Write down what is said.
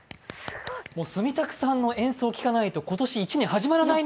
住宅さんの演奏を聞かないと今年１年始まらないね。